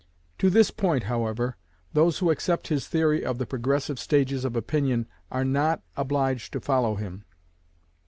To this point, however, those who accept his theory of the progressive stages of opinion are not obliged to follow him.